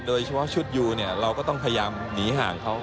โดยเฉพาะชุดยูเนี่ยเราก็ต้องพยายามหนีห่างเขา